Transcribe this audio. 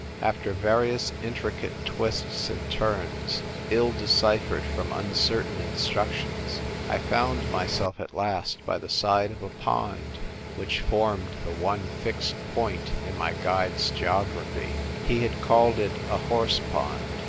After various intricate twists and turns, ill deciphered from uncertain instructions, I found myself at last by the side of a pond which formed the one fixed point in my guide's geography. He had called it " a horse pond."